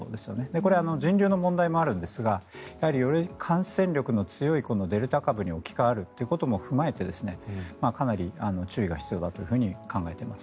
これは、人流の問題もあるんですがやはりより感染力の強いデルタ株に置き換わるということも踏まえてかなり注意が必要だと考えています。